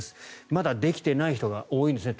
まだ、できていない人が多いんですね。